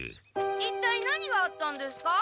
一体何があったんですか！？